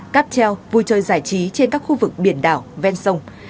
cáp treo vui chơi giải trí trên các khu vực biển đảo ven sông